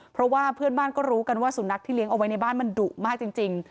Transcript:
เพราะว่าเพื่อนบ้านก็รู้กันว่าสุนัขที่เลี้ยงเอาไว้ในบ้านมันดุมากจริง